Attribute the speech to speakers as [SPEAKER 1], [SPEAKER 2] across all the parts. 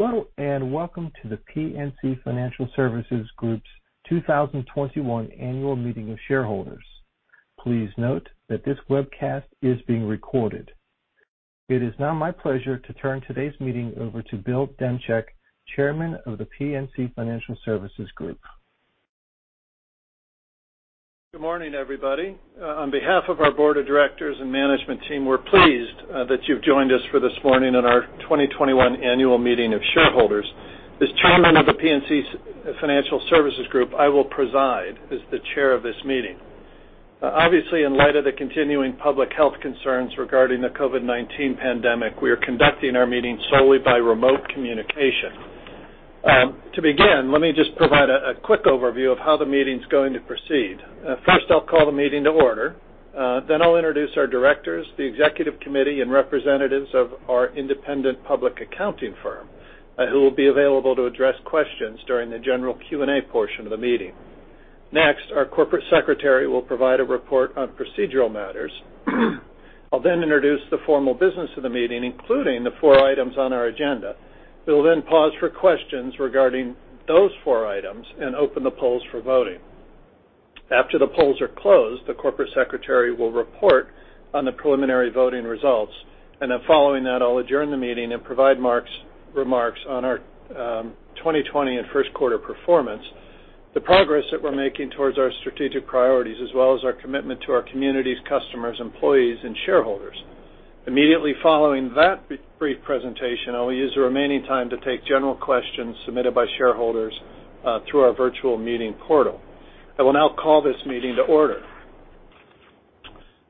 [SPEAKER 1] Hello, and welcome to the PNC Financial Services Group's 2021 Annual Meeting of Shareholders. Please note that this webcast is being recorded. It is now my pleasure to turn today's meeting over to Bill Demchak, Chairman of The PNC Financial Services Group.
[SPEAKER 2] Good morning, everybody. On behalf of our Board of Directors and management team, we're pleased that you've joined us for this morning on our 2021 Annual Meeting of Shareholders. As Chairman of The PNC Financial Services Group, I will preside as the chair of this meeting. Obviously, in light of the continuing public health concerns regarding the COVID-19 pandemic, we are conducting our meeting solely by remote communication. To begin, let me just provide a quick overview of how the meeting's going to proceed. First, I'll call the meeting to order. I'll introduce our directors, the Executive Committee, and representatives of our independent public accounting firm, who will be available to address questions during the general Q&A portion of the meeting. Our Corporate Secretary will provide a report on procedural matters. I'll then introduce the formal business of the meeting, including the four items on our agenda. We will then pause for questions regarding those four items and open the polls for voting. After the polls are closed, the corporate secretary will report on the preliminary voting results. Following that, I'll adjourn the meeting and provide remarks on our 2020 and first quarter performance, the progress that we're making towards our strategic priorities, as well as our commitment to our communities, customers, employees, and shareholders. Immediately following that brief presentation, I will use the remaining time to take general questions submitted by shareholders through our virtual meeting portal. I will now call this meeting to order.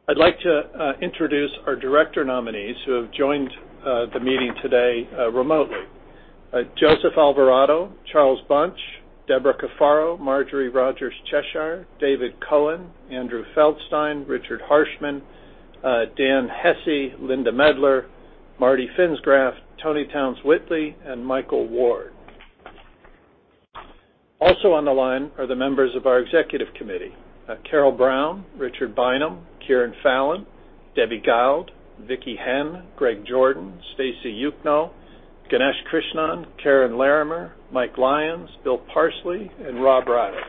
[SPEAKER 2] I'd like to introduce our director nominees who have joined the meeting today remotely. Joseph Alvarado, Charles Bunch, Debra Cafaro, Marjorie Rodgers Cheshire, David Cohen, Andrew Feldstein, Richard Harshman, Dan Hesse, Linda Medler, Martin Pfinsgraff, Toni Townes-Whitley, and Michael Ward. Also on the line are the members of our Executive Committee, Carole Brown, Richard Bynum, Kieran Fallon, Deborah Guild, Vicki Henn, Greg Jordan, Stacy Juchno, Ganesh Krishnan, Karen Larrimer, Mike Lyons, Bill Parsley, and Rob Reilly.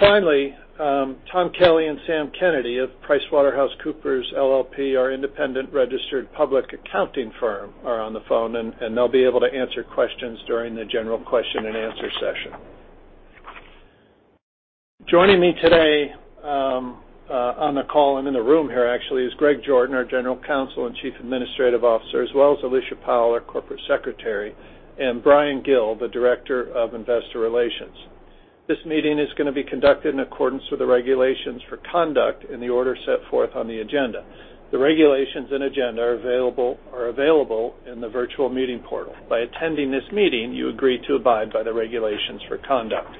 [SPEAKER 2] Finally, Tom Kelly and Sam Kennedy of PricewaterhouseCoopers LLP, our independent registered public accounting firm, are on the phone, and they'll be able to answer questions during the general question and answer session. Joining me today on the call and in the room here actually is Greg Jordan, our General Counsel and Chief Administrative Officer, as well as Alicia Powell, our Corporate Secretary, and Bryan Gill, the Director of Investor Relations. This meeting is going to be conducted in accordance with the regulations for conduct in the order set forth on the agenda. The regulations and agenda are available in the virtual meeting portal. By attending this meeting, you agree to abide by the regulations for conduct.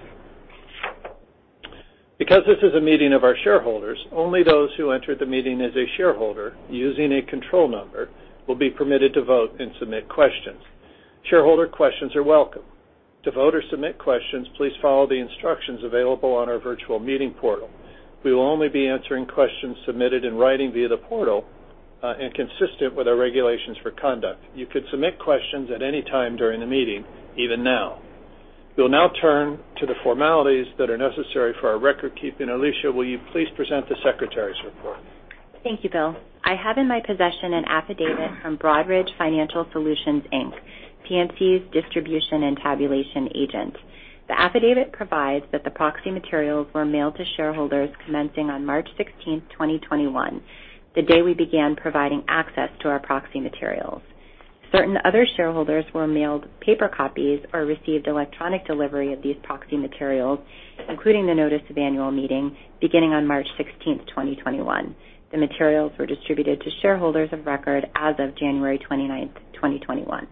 [SPEAKER 2] Because this is a meeting of our shareholders, only those who entered the meeting as a shareholder using a control number will be permitted to vote and submit questions. Shareholder questions are welcome. To vote or submit questions, please follow the instructions available on our virtual meeting portal. We will only be answering questions submitted in writing via the portal and consistent with our regulations for conduct. You could submit questions at any time during the meeting, even now. We will now turn to the formalities that are necessary for our record keeping. Alicia, will you please present the secretary's report?
[SPEAKER 3] Thank you, Bill. I have in my possession an affidavit from Broadridge Financial Solutions Inc., PNC's distribution and tabulation agent. The affidavit provides that the proxy materials were mailed to shareholders commencing on March 16, 2021, the day we began providing access to our proxy materials. Certain other shareholders were mailed paper copies or received electronic delivery of these proxy materials, including the notice of annual meeting beginning on March 16, 2021. The materials were distributed to shareholders of record as of January 29, 2021.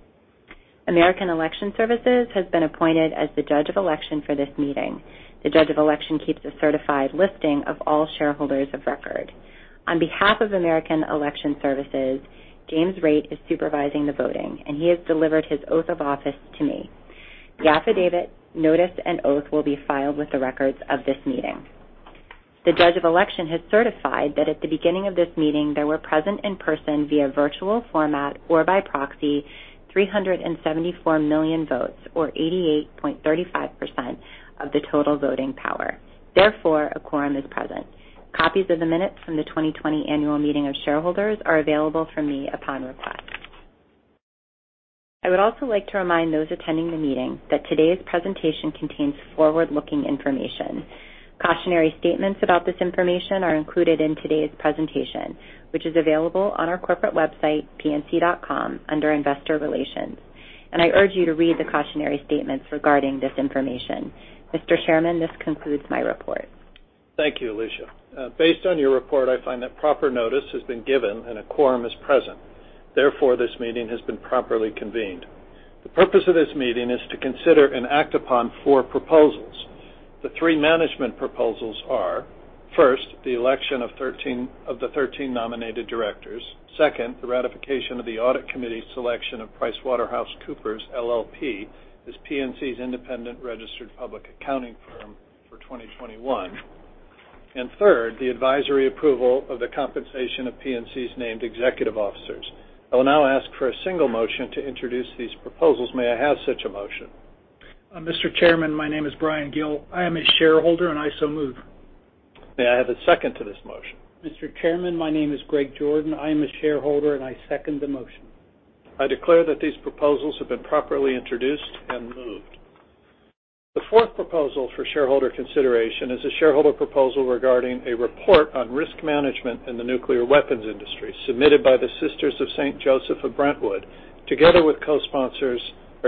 [SPEAKER 3] American Election Services has been appointed as the judge of election for this meeting. The judge of election keeps a certified listing of all shareholders of record. On behalf of American Election Services, James Raith is supervising the voting, and he has delivered his oath of office to me. The affidavit notice and oath will be filed with the records of this meeting. The judge of election has certified that at the beginning of this meeting there were present in person via virtual format or by proxy 374 million votes, or 88.35% of the total voting power. Therefore, a quorum is present. Copies of the minutes from the 2020 Annual Meeting of Shareholders are available from me upon request. I would also like to remind those attending the meeting that today's presentation contains forward-looking information. Cautionary statements about this information are included in today's presentation, which is available on our corporate website, pnc.com, under investor relations. I urge you to read the cautionary statements regarding this information. Mr. Chairman, this concludes my report.
[SPEAKER 2] Thank you, Alicia. Based on your report, I find that proper notice has been given and a quorum is present. This meeting has been properly convened. The purpose of this meeting is to consider and act upon four proposals. The three management proposals are, first, the election of the 13 nominated directors. Second, the ratification of the Audit Committee's selection of PricewaterhouseCoopers LLP, as PNC's independent registered public accounting firm for 2021. Third, the advisory approval of the compensation of PNC's named executive officers. I will now ask for a single motion to introduce these proposals. May I have such a motion?
[SPEAKER 4] Mr. Chairman, my name is Bryan Gill. I am a shareholder, and I so move.
[SPEAKER 2] May I have a second to this motion?
[SPEAKER 5] Mr. Chairman, my name is Greg Jordan. I am a shareholder, and I second the motion.
[SPEAKER 2] I declare that these proposals have been properly introduced and moved. The fourth proposal for shareholder consideration is a shareholder proposal regarding a report on risk management in the nuclear weapons industry, submitted by the Sisters of St. Joseph of Brentwood, together with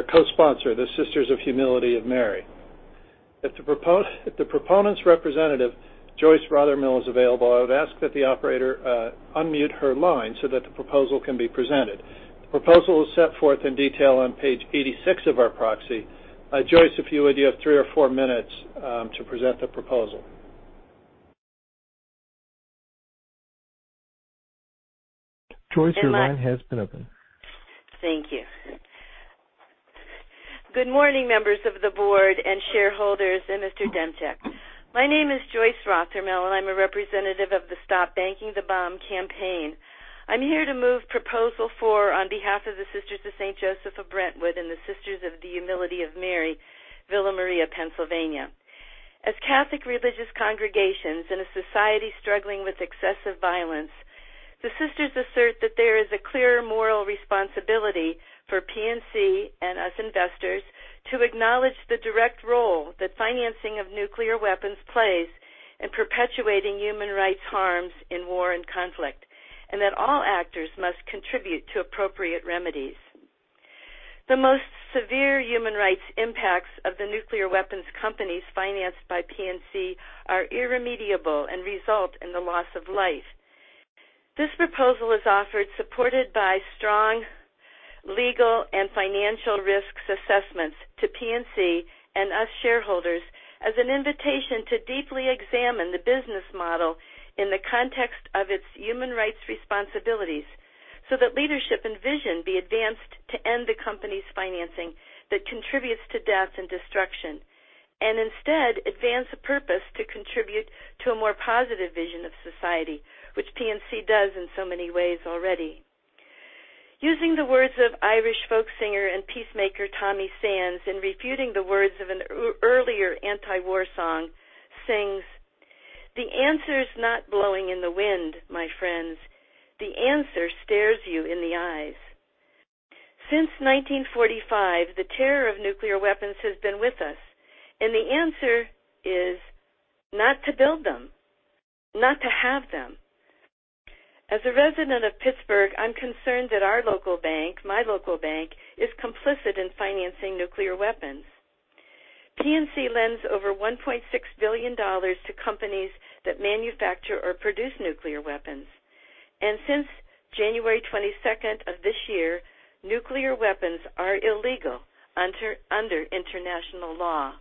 [SPEAKER 2] co-sponsor, the Sisters of the Humility of Mary. If the proponent's representative, Joyce Rothermel, is available, I would ask that the operator unmute her line so that the proposal can be presented. The proposal is set forth in detail on page 86 of our proxy. Joyce, if you would, you have three or four minutes to present the proposal.
[SPEAKER 1] Joyce, your line has been opened.
[SPEAKER 6] Thank you. Good morning, members of the board and shareholders, and Mr. Demchak. My name is Joyce Rothermel, and I'm a representative of the Stop Banking the Bomb campaign. I'm here to move proposal four on behalf of the Sisters of St. Joseph of Brentwood and the Sisters of the Humility of Mary, Villa Maria, Pennsylvania. As Catholic religious congregations in a society struggling with excessive violence, the sisters assert that there is a clear moral responsibility for PNC and us investors to acknowledge the direct role that financing of nuclear weapons plays in perpetuating human rights harms in war and conflict, and that all actors must contribute to appropriate remedies. The most severe human rights impacts of the nuclear weapons companies financed by PNC are irremediable and result in the loss of life. This proposal is offered, supported by strong legal and financial risks assessments to PNC and us shareholders as an invitation to deeply examine the business model in the context of its human rights responsibilities, so that leadership and vision be advanced to end the company's financing that contributes to death and destruction, and instead advance a purpose to contribute to a more positive vision of society, which PNC does in so many ways already. Using the words of Irish folk singer and peacemaker Tommy Sands, in refuting the words of an earlier anti-war song, sings, "The answer's not blowing in the wind, my friends. The answer stares you in the eyes." Since 1945, the terror of nuclear weapons has been with us, and the answer is not to build them, not to have them. As a resident of Pittsburgh, I'm concerned that our local bank, my local bank, is complicit in financing nuclear weapons. PNC lends over $1.6 billion to companies that manufacture or produce nuclear weapons. Since January 22nd of this year, nuclear weapons are illegal under international law.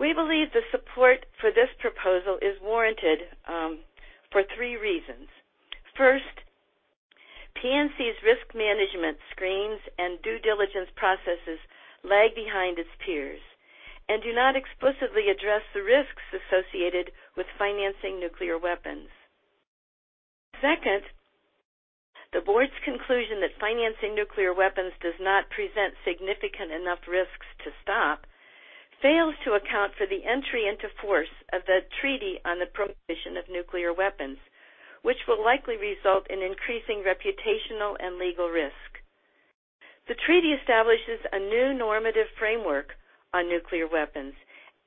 [SPEAKER 6] We believe the support for this proposal is warranted for three reasons. First, PNC's risk management screens and due diligence processes lag behind its peers and do not explicitly address the risks associated with financing nuclear weapons. Second, the board's conclusion that financing nuclear weapons does not present significant enough risks to stop fails to account for the entry into force of the Treaty on the Prohibition of Nuclear Weapons, which will likely result in increasing reputational and legal risk. The treaty establishes a new normative framework on nuclear weapons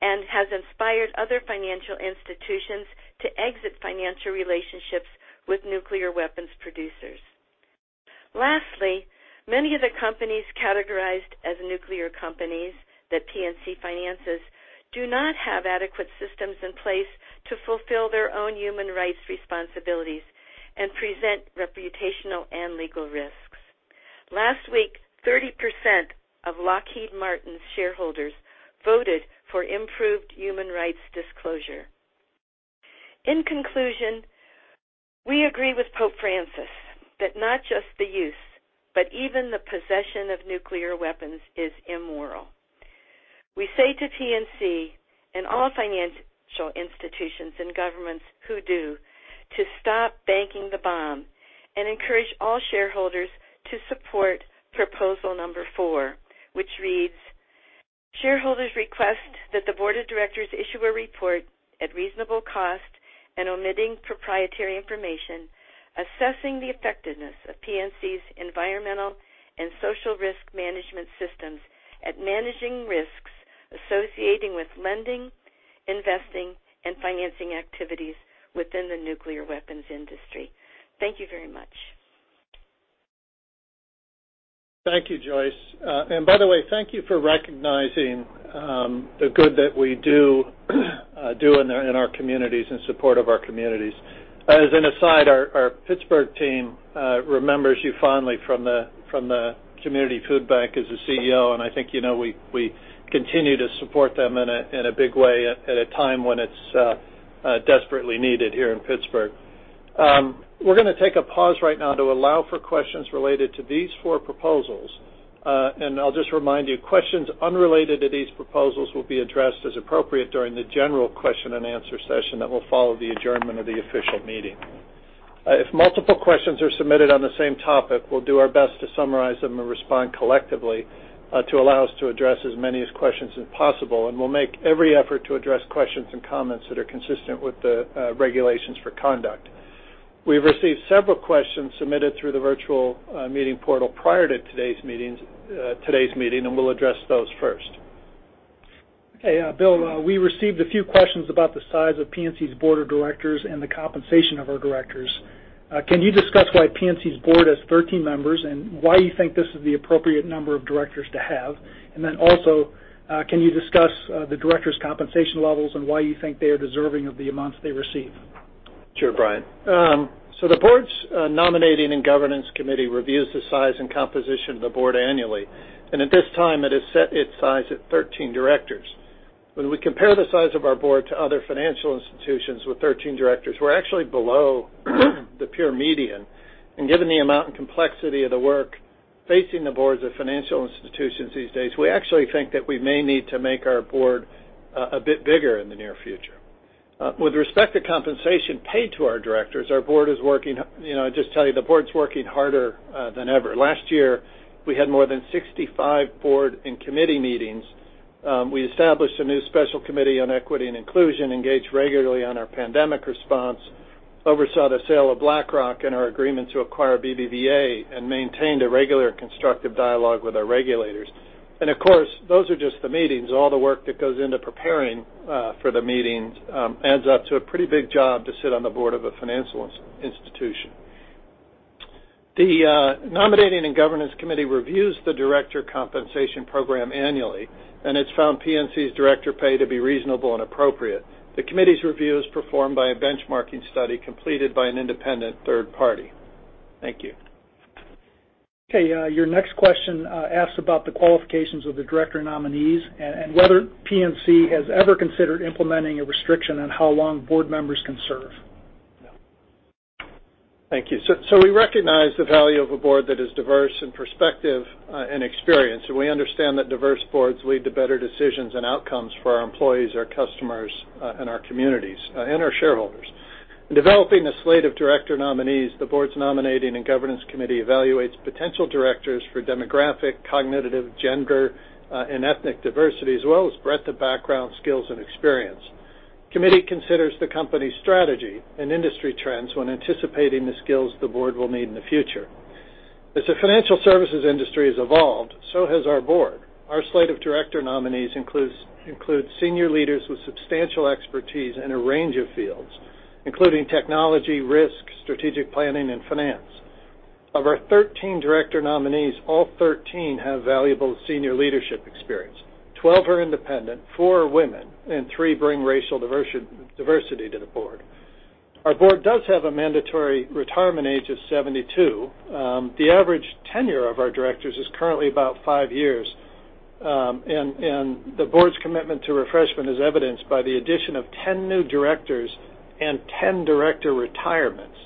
[SPEAKER 6] and has inspired other financial institutions to exit financial relationships with nuclear weapons producers. Lastly, many of the companies categorized as nuclear companies that PNC finances do not have adequate systems in place to fulfill their own human rights responsibilities and present reputational and legal risks. Last week, 30% of Lockheed Martin shareholders voted for improved human rights disclosure. In conclusion, we agree with Pope Francis that not just the use, but even the possession of nuclear weapons is immoral. We say to PNC and all financial institutions and governments who do to Stop Banking the Bomb and encourage all shareholders to support proposal number four, which reads, "Shareholders request that the Board of Directors issue a report at reasonable cost and omitting proprietary information, assessing the effectiveness of PNC's environmental and social risk management systems at managing risks associated with lending, investing, and financing activities within the nuclear weapons industry." Thank you very much.
[SPEAKER 2] Thank you, Joyce. By the way, thank you for recognizing the good that we do in our communities, in support of our communities. As an aside, our Pittsburgh team remembers you fondly from the Community Food Bank as a CEO, you know we continue to support them in a big way at a time when it's desperately needed here in Pittsburgh. We're going to take a pause right now to allow for questions related to these four proposals. I'll just remind you, questions unrelated to these proposals will be addressed as appropriate during the general question and answer session that will follow the adjournment of the official meeting. If multiple questions are submitted on the same topic, we'll do our best to summarize them and respond collectively to allow us to address as many as questions as possible. We'll make every effort to address questions and comments that are consistent with the regulations for conduct. We've received several questions submitted through the virtual meeting portal prior to today's meeting. We'll address those first.
[SPEAKER 4] Okay. Bill, we received a few questions about the size of PNC's Board of Directors and the compensation of our directors. Can you discuss why PNC's board has 13 members and why you think this is the appropriate number of directors to have? Can you discuss the directors' compensation levels and why you think they are deserving of the amounts they receive?
[SPEAKER 2] The board's Nominating and Governance Committee reviews the size and composition of the board annually, and at this time, it has set its size at 13 directors. When we compare the size of our board to other financial institutions with 13 directors, we're actually below the peer median. Given the amount and complexity of the work facing the boards of financial institutions these days, we actually think that we may need to make our board a bit bigger in the near future. With respect to compensation paid to our directors, I'll just tell you, the board's working harder than ever. Last year, we had more than 65 board and committee meetings. We established a new special committee on equity and inclusion, engaged regularly on our pandemic response, oversaw the sale of BlackRock and our agreement to acquire BBVA, maintained a regular and constructive dialogue with our regulators. Of course, those are just the meetings. All the work that goes into preparing for the meetings adds up to a pretty big job to sit on the board of a financial institution. The Nominating and Governance Committee reviews the director compensation program annually and has found PNC's director pay to be reasonable and appropriate. The committee's review is performed by a benchmarking study completed by an independent third party. Thank you.
[SPEAKER 4] Okay. Your next question asks about the qualifications of the director nominees and whether PNC has ever considered implementing a restriction on how long board members can serve.
[SPEAKER 2] Thank you. We recognize the value of a board that is diverse in perspective and experience. We understand that diverse boards lead to better decisions and outcomes for our employees, our customers, and our communities, and our shareholders. In developing a slate of director nominees, the board's Nominating and Governance Committee evaluates potential directors for demographic, cognitive, gender, and ethnic diversity, as well as breadth of background, skills, and experience. Committee considers the company's strategy and industry trends when anticipating the skills the board will need in the future. As the financial services industry has evolved, so has our board. Our slate of director nominees includes senior leaders with substantial expertise in a range of fields, including technology, risk, strategic planning, and finance. Of our 13 director nominees, all 13 have valuable senior leadership experience. 12 are independent, four are women, and three bring racial diversity to the board. Our board does have a mandatory retirement age of 72. The average tenure of our directors is currently about five years. The board's commitment to refreshment is evidenced by the addition of 10 new directors and 10 director retirements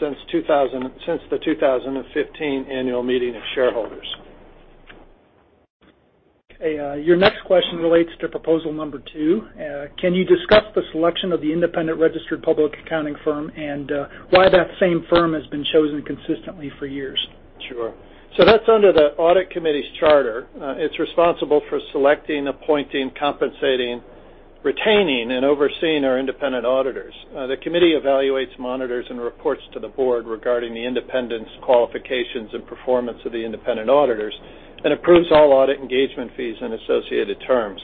[SPEAKER 2] since the 2015 Annual Meeting of Shareholders.
[SPEAKER 4] Okay. Your next question relates to proposal number two. Can you discuss the selection of the independent registered public accounting firm and why that same firm has been chosen consistently for years?
[SPEAKER 2] Sure. That's under the Audit Committee's charter. It's responsible for selecting, appointing, compensating, retaining, and overseeing our independent auditors. The committee evaluates, monitors, and reports to the board regarding the independence, qualifications, and performance of the independent auditors and approves all audit engagement fees and associated terms.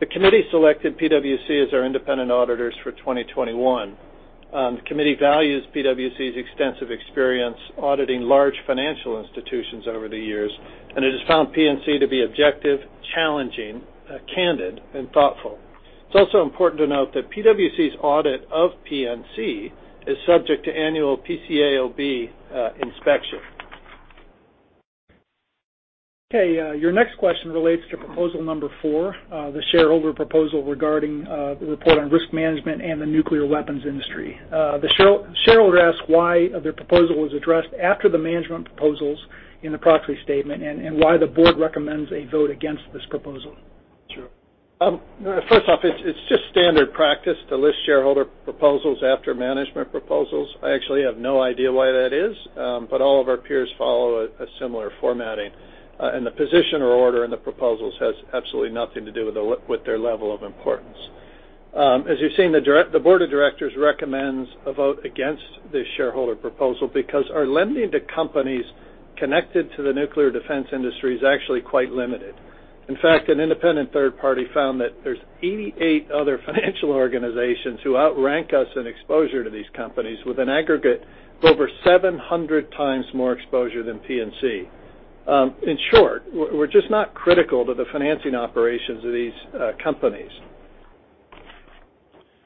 [SPEAKER 2] The committee selected PwC as our independent auditors for 2021. The committee values PwC's extensive experience auditing large financial institutions over the years, and it has found PwC to be objective, challenging, candid, and thoughtful. It's also important to note that PwC's audit of PNC is subject to annual PCAOB inspection.
[SPEAKER 4] Your next question relates to proposal number four, the shareholder proposal regarding the report on risk management and the nuclear weapons industry. The shareholder asks why their proposal was addressed after the management proposals in the proxy statement and why the board recommends a vote against this proposal.
[SPEAKER 2] Sure. First off, it's just standard practice to list shareholder proposals after management proposals. I actually have no idea why that is. All of our peers follow a similar formatting. The position or order in the proposals has absolutely nothing to do with their level of importance. As you've seen, the Board of Directors recommends a vote against this shareholder proposal because our lending to companies connected to the nuclear defense industry is actually quite limited. In fact, an independent third party found that there's 88 other financial organizations who outrank us in exposure to these companies with an aggregate of over 700 times more exposure than PNC. In short, we're just not critical to the financing operations of these companies.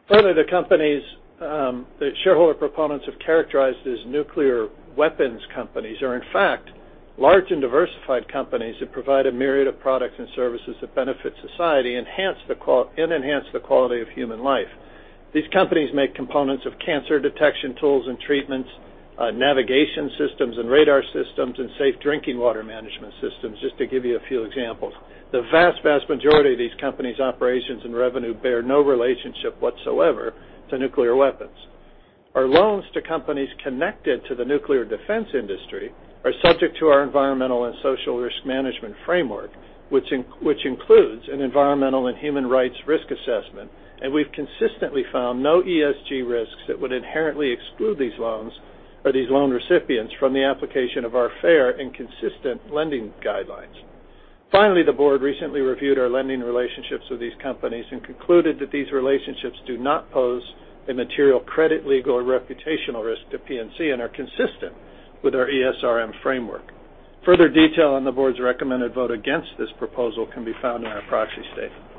[SPEAKER 2] Further, the companies that shareholder proponents have characterized as nuclear weapons companies are, in fact, large and diversified companies that provide a myriad of products and services that benefit society and enhance the quality of human life. These companies make components of cancer detection tools and treatments, navigation systems and radar systems, and safe drinking water management systems, just to give you a few examples. The vast majority of these companies' operations and revenue bear no relationship whatsoever to nuclear weapons. Our loans to companies connected to the nuclear defense industry are subject to our environmental and social risk management framework, which includes an environmental and human rights risk assessment, and we've consistently found no ESG risks that would inherently exclude these loans or these loan recipients from the application of our fair and consistent lending guidelines. The board recently reviewed our lending relationships with these companies and concluded that these relationships do not pose a material credit, legal, or reputational risk to PNC and are consistent with our ESRM framework. Further detail on the board's recommended vote against this proposal can be found in our proxy statement.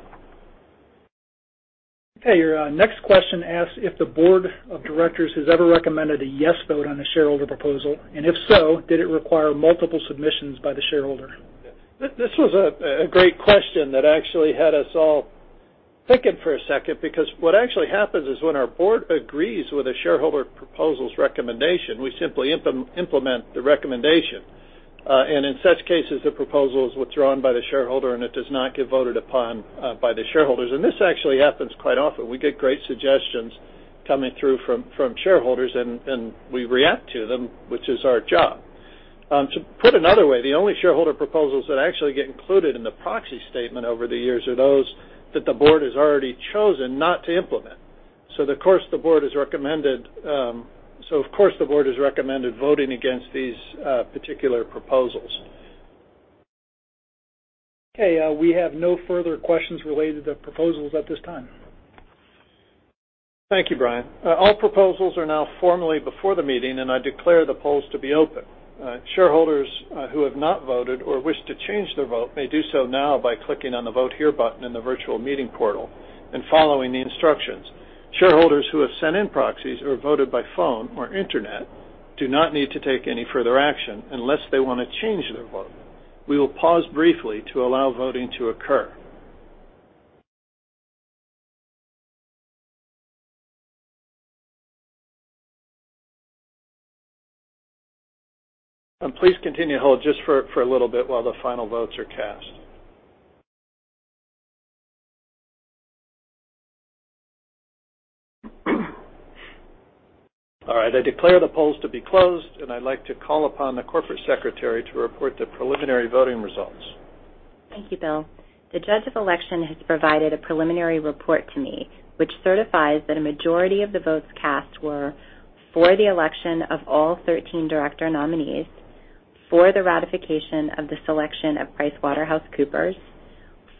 [SPEAKER 4] Okay, your next question asks if the Board of Directors has ever recommended a yes vote on a shareholder proposal, and if so, did it require multiple submissions by the shareholder?
[SPEAKER 2] This was a great question that actually had us all thinking for a second because what actually happens is when our board agrees with a shareholder proposal's recommendation, we simply implement the recommendation. In such cases, the proposal is withdrawn by the shareholder, and it does not get voted upon by the shareholders. This actually happens quite often. We get great suggestions coming through from shareholders, and we react to them, which is our job. To put another way, the only shareholder proposals that actually get included in the proxy statement over the years are those that the board has already chosen not to implement. Of course, the board has recommended voting against these particular proposals.
[SPEAKER 4] We have no further questions related to proposals at this time.
[SPEAKER 2] Thank you, Bryan. All proposals are now formally before the meeting, and I declare the polls to be open. Shareholders who have not voted or wish to change their vote may do so now by clicking on the Vote Here button in the virtual meeting portal and following the instructions. Shareholders who have sent in proxies or voted by phone or internet do not need to take any further action unless they want to change their vote. We will pause briefly to allow voting to occur. Please continue to hold just for a little bit while the final votes are cast. All right. I declare the polls to be closed, and I'd like to call upon the Corporate Secretary to report the preliminary voting results.
[SPEAKER 3] Thank you, Bill. The judge of election has provided a preliminary report to me which certifies that a majority of the votes cast were for the election of all 13 director nominees, for the ratification of the selection of PricewaterhouseCoopers,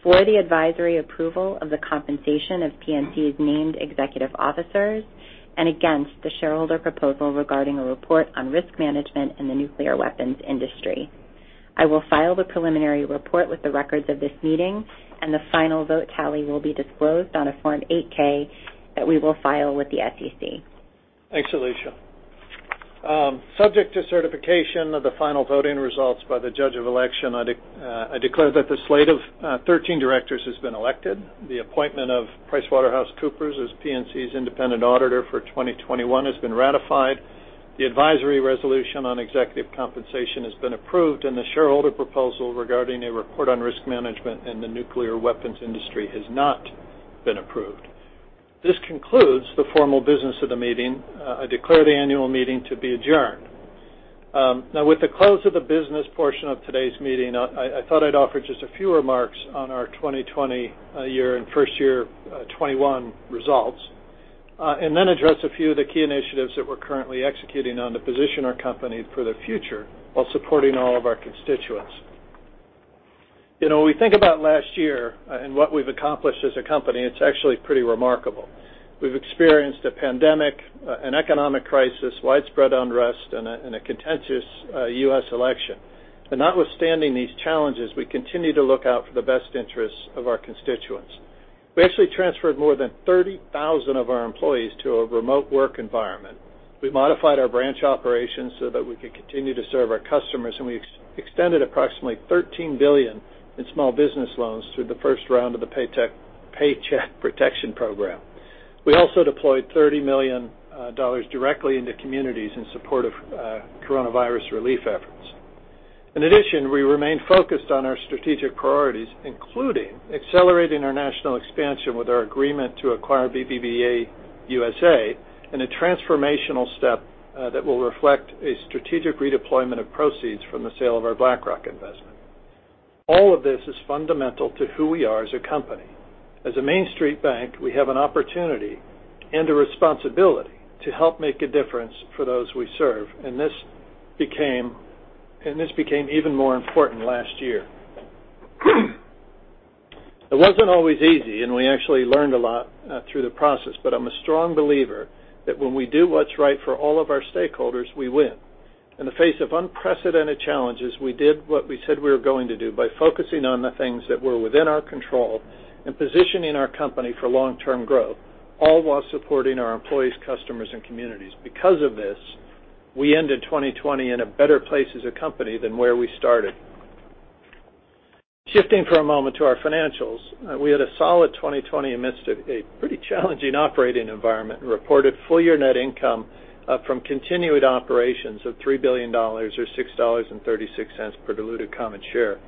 [SPEAKER 3] for the advisory approval of the compensation of PNC's named executive officers, and against the shareholder proposal regarding a report on risk management in the nuclear weapons industry. I will file the preliminary report with the records of this meeting, and the final vote tally will be disclosed on a Form 8-K that we will file with the SEC.
[SPEAKER 2] Thanks, Alicia. Subject to certification of the final voting results by the judge of election, I declare that the slate of 13 directors has been elected. The appointment of PricewaterhouseCoopers as PNC's independent auditor for 2021 has been ratified. The advisory resolution on executive compensation has been approved, and the shareholder proposal regarding a report on risk management in the nuclear weapons industry has not been approved. This concludes the formal business of the meeting. I declare the annual meeting to be adjourned. Now with the close of the business portion of today's meeting, I thought I'd offer just a few remarks on our 2020 year and first quarter 2021 results, and then address a few of the key initiatives that we're currently executing on to position our company for the future while supporting all of our constituents. When we think about last year and what we've accomplished as a company, it's actually pretty remarkable. We've experienced a pandemic, an economic crisis, widespread unrest, and a contentious U.S. election. Notwithstanding these challenges, we continue to look out for the best interests of our constituents. We actually transferred more than 30,000 of our employees to a remote work environment. We modified our branch operations so that we could continue to serve our customers, and we extended approximately $13 billion in small business loans through the first round of the Paycheck Protection Program. We also deployed $30 million directly into communities in support of coronavirus relief efforts. In addition, we remain focused on our strategic priorities, including accelerating our national expansion with our agreement to acquire BBVA USA in a transformational step that will reflect a strategic redeployment of proceeds from the sale of our BlackRock investment. All of this is fundamental to who we are as a company. As a main street bank, we have an opportunity and a responsibility to help make a difference for those we serve. This became even more important last year. It wasn't always easy. We actually learned a lot through the process. I'm a strong believer that when we do what's right for all of our stakeholders, we win. In the face of unprecedented challenges, we did what we said we were going to do by focusing on the things that were within our control and positioning our company for long-term growth. All while supporting our employees, customers, and communities. Because of this, we ended 2020 in a better place as a company than where we started. Shifting for a moment to our financials, we had a solid 2020 amidst a pretty challenging operating environment and reported full-year net income from continued operations of $3 billion, or $6.36 per diluted common share.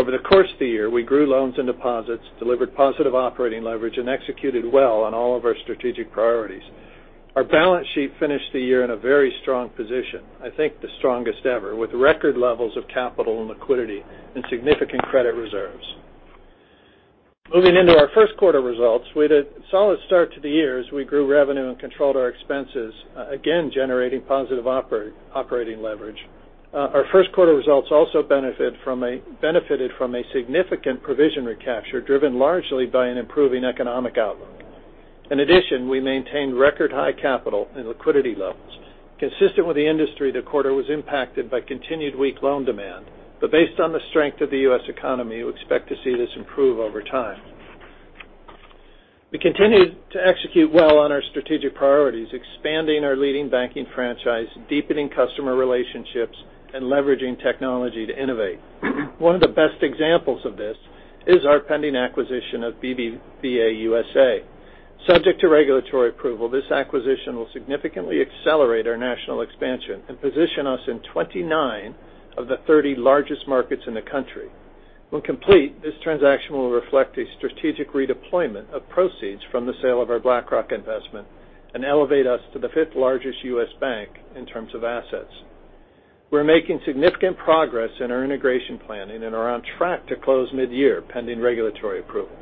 [SPEAKER 2] Over the course of the year, we grew loans and deposits, delivered positive operating leverage, and executed well on all of our strategic priorities. Our balance sheet finished the year in a very strong position, I think the strongest ever, with record levels of capital and liquidity and significant credit reserves. Moving into our first quarter results, we had a solid start to the year as we grew revenue and controlled our expenses, again, generating positive operating leverage. Our first quarter results also benefited from a significant provision recapture, driven largely by an improving economic outlook. In addition, we maintained record-high capital and liquidity levels. Consistent with the industry, the quarter was impacted by continued weak loan demand. Based on the strength of the U.S. economy, we expect to see this improve over time. We continued to execute well on our strategic priorities, expanding our leading banking franchise, deepening customer relationships, and leveraging technology to innovate. One of the best examples of this is our pending acquisition of BBVA USA. Subject to regulatory approval, this acquisition will significantly accelerate our national expansion and position us in 29 of the 30 largest markets in the country. When complete, this transaction will reflect a strategic redeployment of proceeds from the sale of our BlackRock investment and elevate us to the fifth largest U.S. bank in terms of assets. We're making significant progress in our integration planning and are on track to close mid-year, pending regulatory approval.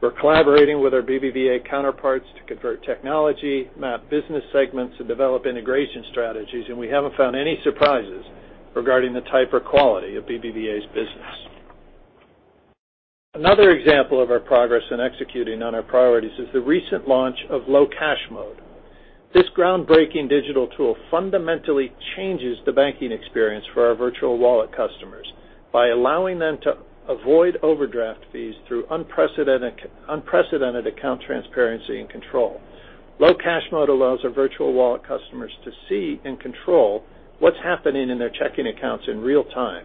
[SPEAKER 2] We're collaborating with our BBVA counterparts to convert technology, map business segments, and develop integration strategies. We haven't found any surprises regarding the type or quality of BBVA's business. Another example of our progress in executing on our priorities is the recent launch of Low Cash Mode. This groundbreaking digital tool fundamentally changes the banking experience for our Virtual Wallet customers by allowing them to avoid overdraft fees through unprecedented account transparency and control. Low Cash Mode allows our Virtual Wallet customers to see and control what's happening in their checking accounts in real time.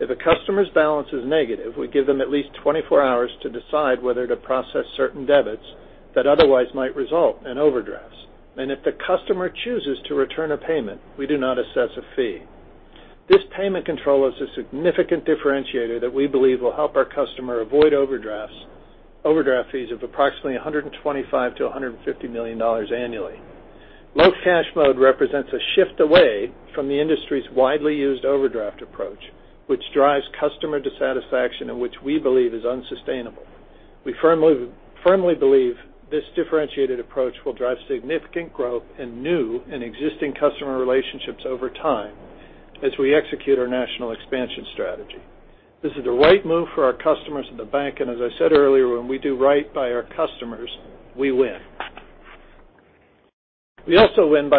[SPEAKER 2] If a customer's balance is negative, we give them at least 24 hours to decide whether to process certain debits that otherwise might result in overdrafts. If the customer chooses to return a payment, we do not assess a fee. This payment control is a significant differentiator that we believe will help our customer avoid overdraft fees of approximately $125 million-$150 million annually. Low Cash Mode represents a shift away from the industry's widely used overdraft approach, which drives customer dissatisfaction and which we believe is unsustainable. We firmly believe this differentiated approach will drive significant growth in new and existing customer relationships over time as we execute our national expansion strategy. This is the right move for our customers and the bank, and as I said earlier, when we do right by our customers, we win. We also win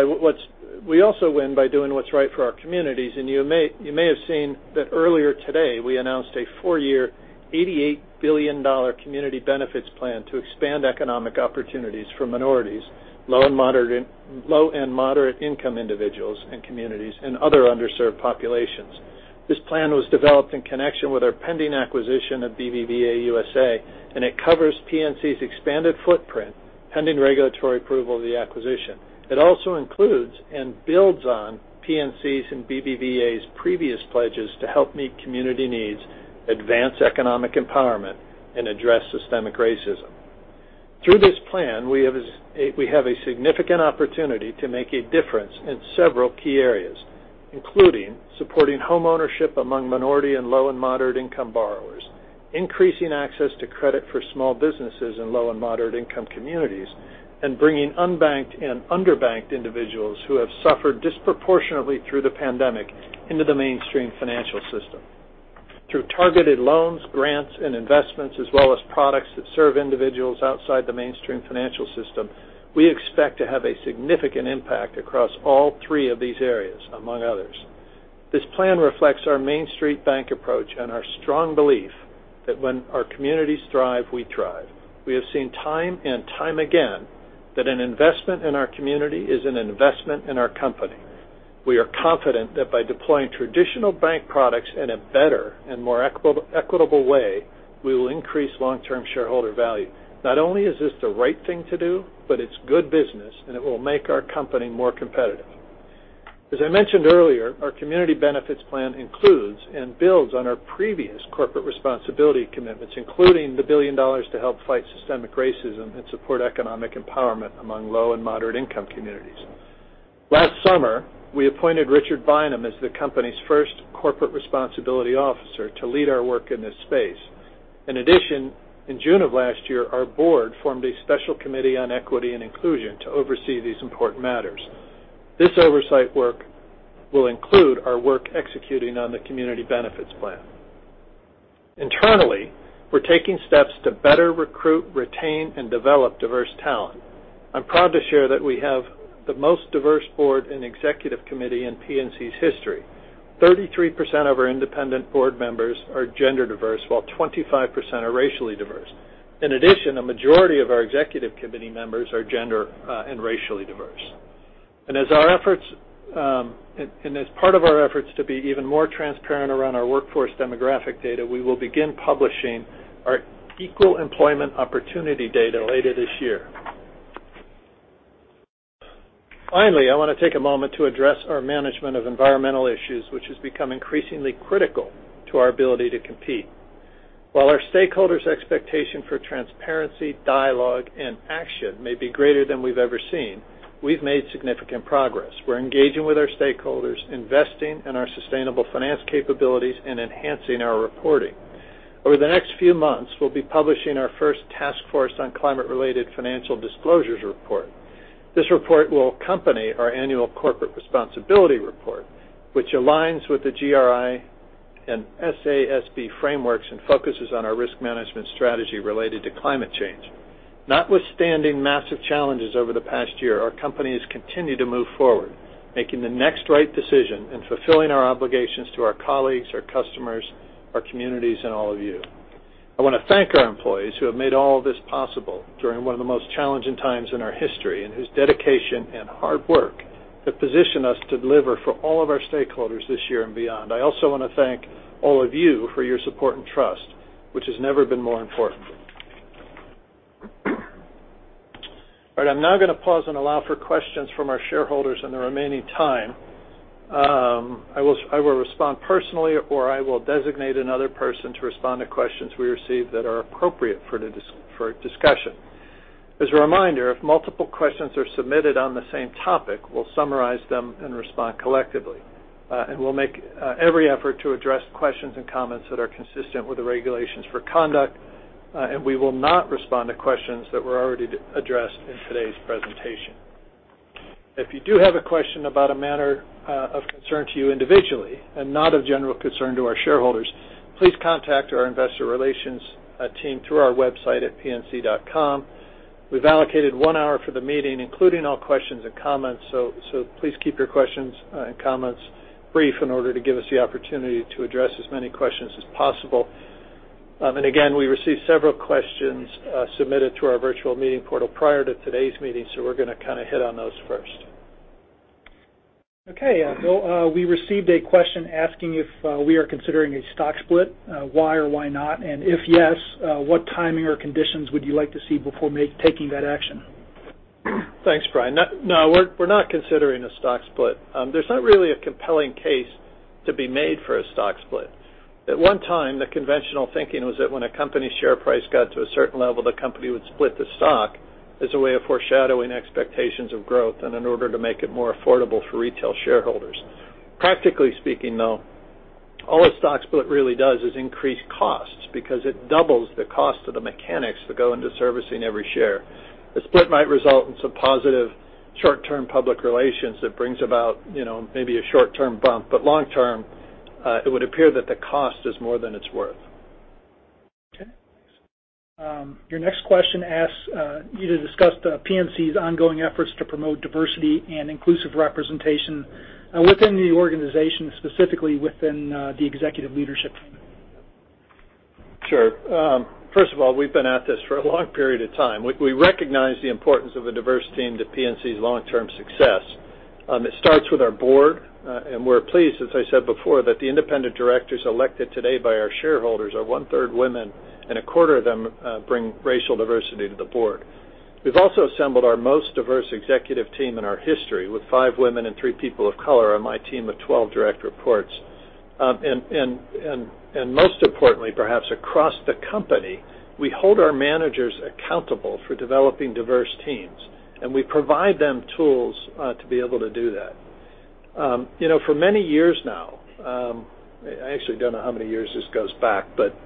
[SPEAKER 2] by doing what's right for our communities, and you may have seen that earlier today, we announced a four-year $88 billion community benefits plan to expand economic opportunities for minorities, low and moderate income individuals and communities, and other underserved populations. This plan was developed in connection with our pending acquisition of BBVA USA. It covers PNC's expanded footprint, pending regulatory approval of the acquisition. It also includes and builds on PNC's and BBVA's previous pledges to help meet community needs, advance economic empowerment, and address systemic racism. Through this plan, we have a significant opportunity to make a difference in several key areas, including supporting home ownership among minority and low and moderate-income borrowers, increasing access to credit for small businesses in low and moderate-income communities, bringing unbanked and underbanked individuals who have suffered disproportionately through the pandemic into the mainstream financial system. Through targeted loans, grants, and investments, as well as products that serve individuals outside the mainstream financial system, we expect to have a significant impact across all three of these areas, among others. This plan reflects our Main Street bank approach and our strong belief that when our communities thrive, we thrive. We have seen time and time again that an investment in our community is an investment in our company. We are confident that by deploying traditional bank products in a better and more equitable way, we will increase long-term shareholder value. Not only is this the right thing to do, but it's good business, and it will make our company more competitive. As I mentioned earlier, our Community Benefits Plan includes and builds on our previous corporate responsibility commitments, including the $1 billion to help fight systemic racism and support economic empowerment among low and moderate-income communities. Last summer, we appointed Richard Bynum as the company's first Corporate Responsibility Officer to lead our work in this space. In June of last year, our Board formed a Special Committee on Equity and Inclusion to oversee these important matters. This oversight work will include our work executing on the Community Benefits Plan. Internally, we're taking steps to better recruit, retain, and develop diverse talent. I'm proud to share that we have the most diverse Board and Executive Committee in PNC's history. 33% of our independent Board members are gender diverse, while 25% are racially diverse. A majority of our Executive Committee members are gender and racially diverse. As part of our efforts to be even more transparent around our workforce demographic data, we will begin publishing our Equal Employment Opportunity data later this year. Finally, I want to take a moment to address our management of environmental issues, which has become increasingly critical to our ability to compete. While our stakeholders' expectation for transparency, dialogue, and action may be greater than we've ever seen, we've made significant progress. We're engaging with our stakeholders, investing in our sustainable finance capabilities, and enhancing our reporting. Over the next few months, we'll be publishing our first Task Force on Climate-related Financial Disclosures report. This report will accompany our annual corporate responsibility report, which aligns with the GRI and SASB frameworks and focuses on our risk management strategy related to climate change. Notwithstanding massive challenges over the past year, our company has continued to move forward, making the next right decision and fulfilling our obligations to our colleagues, our customers, our communities, and all of you. I want to thank our employees who have made all this possible during one of the most challenging times in our history, and whose dedication and hard work have positioned us to deliver for all of our stakeholders this year and beyond. I also want to thank all of you for your support and trust, which has never been more important. All right, I'm now going to pause and allow for questions from our shareholders in the remaining time. I will respond personally, or I will designate another person to respond to questions we receive that are appropriate for discussion. As a reminder, if multiple questions are submitted on the same topic, we'll summarize them and respond collectively. We'll make every effort to address questions and comments that are consistent with the regulations for conduct, and we will not respond to questions that were already addressed in today's presentation. If you do have a question about a matter of concern to you individually and not of general concern to our shareholders, please contact our investor relations team through our website at pnc.com. We've allocated one hour for the meeting, including all questions and comments, so please keep your questions and comments brief in order to give us the opportunity to address as many questions as possible. Again, we received several questions submitted to our virtual meeting portal prior to today's meeting, so we're going to kind of hit on those first.
[SPEAKER 4] Okay. Bill, we received a question asking if we are considering a stock split, why or why not, and if yes, what timing or conditions would you like to see before taking that action?
[SPEAKER 2] Thanks, Bryan. No, we're not considering a stock split. There's not really a compelling case to be made for a stock split. At one time, the conventional thinking was that when a company's share price got to a certain level, the company would split the stock as a way of foreshadowing expectations of growth and in order to make it more affordable for retail shareholders. Practically speaking, though, all a stock split really does is increase costs because it doubles the cost of the mechanics that go into servicing every share. A split might result in some positive short-term public relations that brings about maybe a short-term bump, but long term, it would appear that the cost is more than it's worth.
[SPEAKER 4] Okay. Your next question asks you to discuss PNC's ongoing efforts to promote diversity and inclusive representation within the organization, specifically within the executive leadership team.
[SPEAKER 2] Sure. First of all, we've been at this for a long period of time. We recognize the importance of a diverse team to PNC's long-term success. It starts with our board, and we're pleased, as I said before, that the independent directors elected today by our shareholders are 1/3 women, and a quarter of them bring racial diversity to the board. We've also assembled our most diverse executive team in our history, with five women and three people of color on my team of 12 direct reports. Most importantly, perhaps across the company, we hold our managers accountable for developing diverse teams, and we provide them tools to be able to do that. For many years now, I actually don't know how many years this goes back, but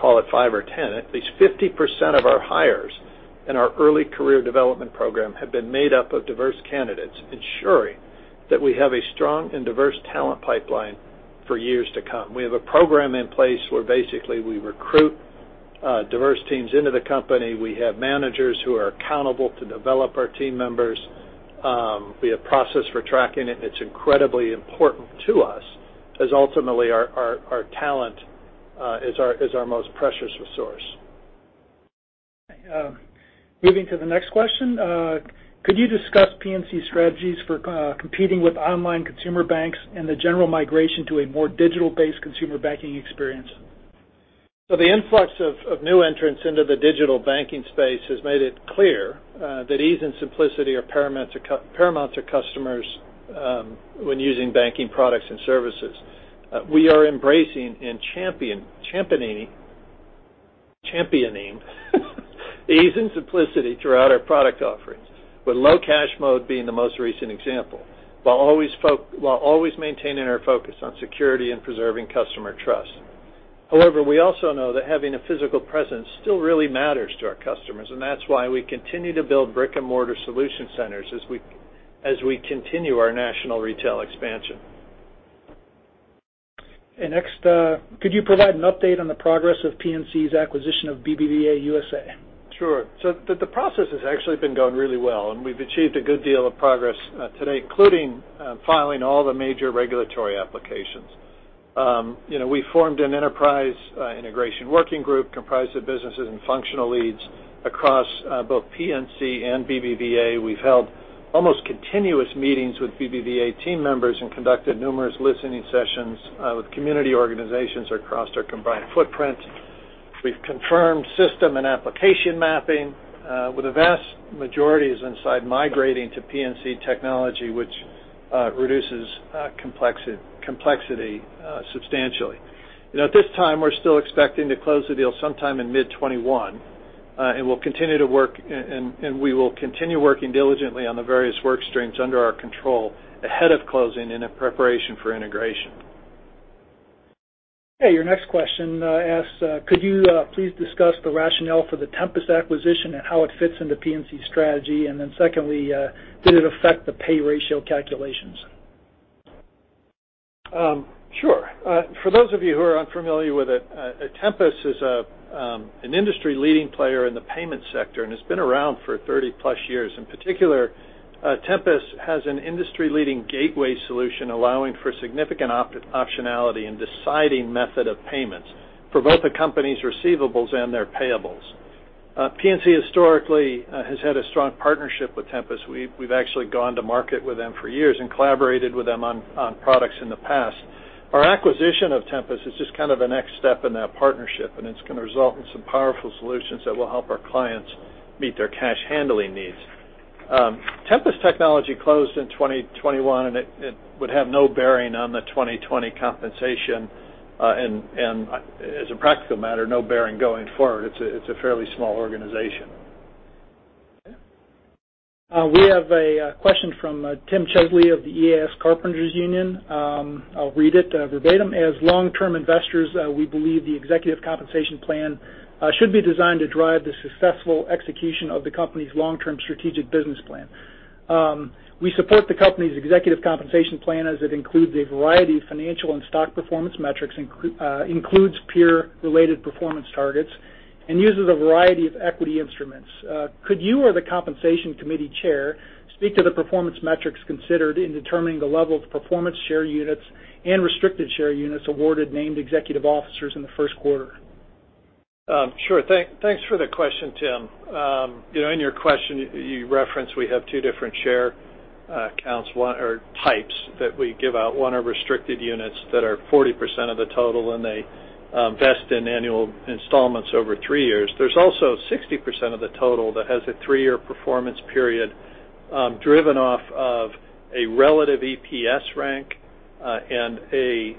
[SPEAKER 2] call it five or 10, at least 50% of our hires in our early career development program have been made up of diverse candidates, ensuring that we have a strong and diverse talent pipeline for years to come. We have a program in place where basically we recruit diverse teams into the company. We have managers who are accountable to develop our team members. It's incredibly important to us as ultimately our talent is our most precious resource.
[SPEAKER 4] Moving to the next question, could you discuss PNC strategies for competing with online consumer banks and the general migration to a more digital-based consumer banking experience?
[SPEAKER 2] The influx of new entrants into the digital banking space has made it clear that ease and simplicity are paramount to customers when using banking products and services. We are embracing and championing ease and simplicity throughout our product offerings, with Low Cash Mode being the most recent example, while always maintaining our focus on security and preserving customer trust. We also know that having a physical presence still really matters to our customers, and that's why we continue to build brick-and-mortar solution centers as we continue our national retail expansion.
[SPEAKER 4] Next, could you provide an update on the progress of PNC's acquisition of BBVA USA?
[SPEAKER 2] Sure. The process has actually been going really well, and we've achieved a good deal of progress today, including filing all the major regulatory applications. We formed an enterprise integration working group comprised of businesses and functional leads across both PNC and BBVA. We've held almost continuous meetings with BBVA team members and conducted numerous listening sessions with community organizations across their combined footprint. We've confirmed system and application mapping, with a vast majority is inside migrating to PNC technology, which reduces complexity substantially. At this time, we're still expecting to close the deal sometime in mid 2021. We'll continue to work diligently on the various work streams under our control ahead of closing in a preparation for integration.
[SPEAKER 4] Okay, your next question asks, could you please discuss the rationale for the Tempus acquisition and how it fits into PNC's strategy? Secondly, did it affect the pay ratio calculations?
[SPEAKER 2] Sure. For those of you who are unfamiliar with it, Tempus is an industry-leading player in the payment sector and has been around for 30+ years. In particular, Tempus has an industry-leading gateway solution allowing for significant optionality in deciding method of payments for both the company's receivables and their payables. PNC historically has had a strong partnership with Tempus. We've actually gone to market with them for years and collaborated with them on products in the past. Our acquisition of Tempus is just kind of a next step in that partnership, and it's going to result in some powerful solutions that will help our clients meet their cash handling needs. Tempus Technologies closed in 2021, and it would have no bearing on the 2020 compensation, and as a practical matter, no bearing going forward. It's a fairly small organization.
[SPEAKER 4] Okay. We have a question from Tim Chesleigh of the EAS Carpenters Union. I'll read it verbatim. "As long-term investors, we believe the executive compensation plan should be designed to drive the successful execution of the company's long-term strategic business plan. We support the company's executive compensation plan as it includes a variety of financial and stock performance metrics, includes peer-related performance targets, and uses a variety of equity instruments. Could you or the Compensation Committee Chair speak to the performance metrics considered in determining the level of performance share units and restricted share units awarded named executive officers in the first quarter?
[SPEAKER 2] Sure. Thanks for the question, Tim. In your question, you reference we have two different share counts or types that we give out. One are restricted units that are 40% of the total, and they vest in annual installments over three years. There's also 60% of the total that has a three-year performance period, driven off of a relative EPS rank, and a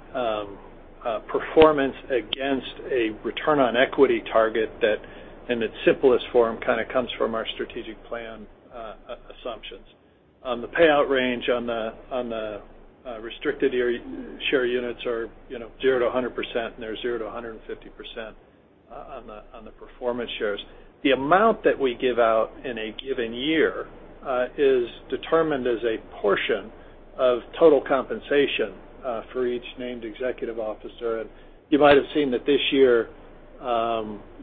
[SPEAKER 2] performance against a return on equity target that in its simplest form, kind of comes from our strategic plan assumptions. On the payout range on the restricted share units are zero to 100%, and they're zero to 150% on the performance shares. The amount that we give out in a given year is determined as a portion of total compensation for each named executive officer. You might have seen that this year,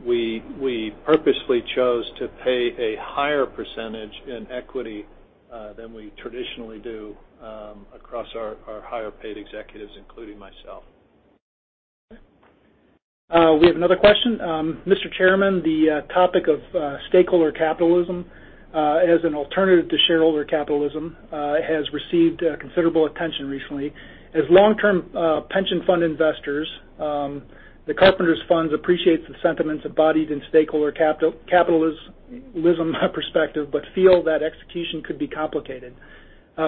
[SPEAKER 2] we purposefully chose to pay a higher % in equity than we traditionally do across our higher-paid executives, including myself.
[SPEAKER 4] We have another question. Mr. Chairman, the topic of stakeholder capitalism as an alternative to shareholder capitalism has received considerable attention recently. As long-term pension fund investors, the Carpenters funds appreciates the sentiments embodied in stakeholder capitalism perspective but feel that execution could be complicated.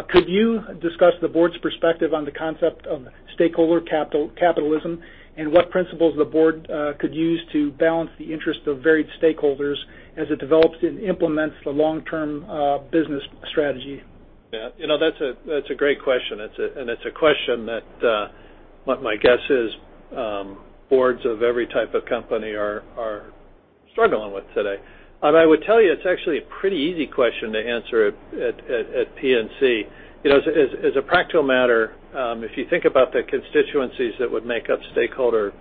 [SPEAKER 4] Could you discuss the board's perspective on the concept of stakeholder capitalism and what principles the board could use to balance the interest of varied stakeholders as it develops and implements the long-term business strategy?
[SPEAKER 2] Yeah. That's a great question, and it's a question that my guess is boards of every type of company are struggling with today. I would tell you, it's actually a pretty easy question to answer at PNC. As a practical matter, if you think about the constituencies that would make up stakeholder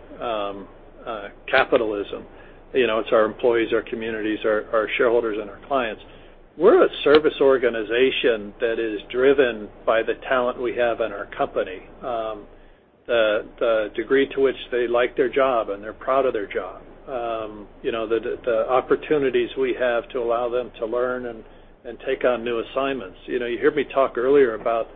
[SPEAKER 2] capitalism, it's our employees, our communities, our shareholders, and our clients. We're a service organization that is driven by the talent we have in our company. The degree to which they like their job and they're proud of their job. The opportunities we have to allow them to learn and take on new assignments. You hear me talk earlier about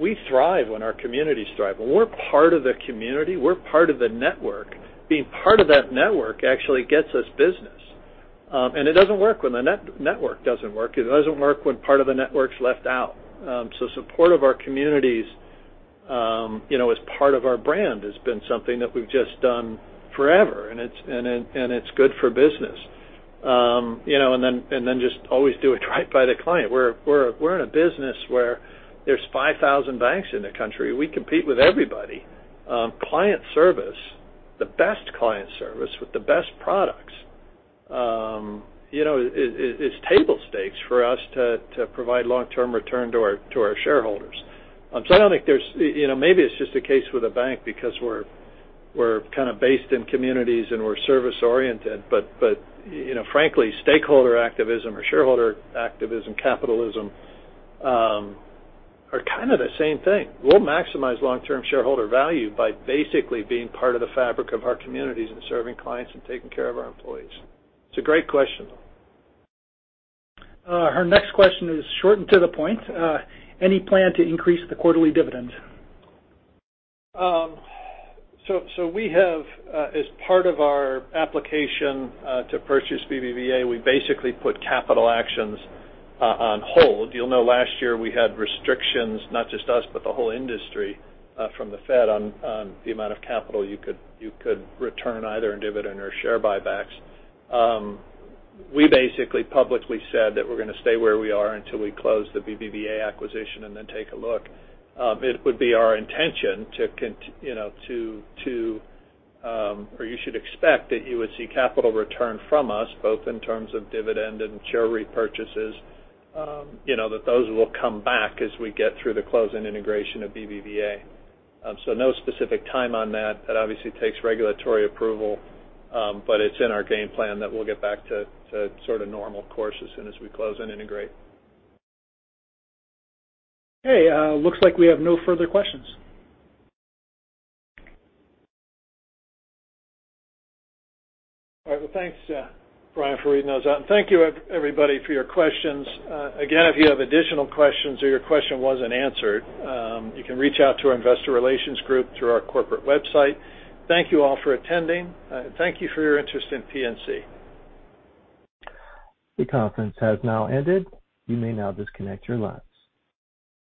[SPEAKER 2] we thrive when our communities thrive. When we're part of the community, we're part of the network. Being part of that network actually gets us business. It doesn't work when the network doesn't work. It doesn't work when part of the network's left out. Support of our communities, as part of our brand, has been something that we've just done forever, and it's good for business. Just always do it right by the client. We're in a business where there's 5,000 banks in the country. We compete with everybody. Client service, the best client service with the best products. It's table stakes for us to provide long-term return to our shareholders. I don't think there's. Maybe it's just the case with a bank because we're kind of based in communities and we're service-oriented, but frankly, stakeholder activism or shareholder activism, capitalism, are kind of the same thing. We'll maximize long-term shareholder value by basically being part of the fabric of our communities and serving clients and taking care of our employees. It's a great question, though.
[SPEAKER 4] Her next question is short and to the point. Any plan to increase the quarterly dividend?
[SPEAKER 2] We have, as part of our application to purchase BBVA, we basically put capital actions on hold. You'll know last year we had restrictions, not just us, but the whole industry, from the Fed on the amount of capital you could return either in dividend or share buybacks. We basically publicly said that we're going to stay where we are until we close the BBVA acquisition and then take a look. It would be our intention to, or you should expect that you would see capital return from us, both in terms of dividend and share repurchases, that those will come back as we get through the close and integration of BBVA. No specific time on that. That obviously takes regulatory approval. It's in our game plan that we'll get back to sort of normal course as soon as we close and integrate.
[SPEAKER 4] Okay, looks like we have no further questions.
[SPEAKER 2] All right. Well, thanks, Bryan, for reading those out. Thank you everybody for your questions. Again, if you have additional questions or your question wasn't answered, you can reach out to our investor relations group through our corporate website. Thank you all for attending. Thank you for your interest in PNC.
[SPEAKER 4] The conference has now ended. You may now disconnect your lines.